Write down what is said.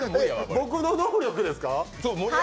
僕の能力ですか？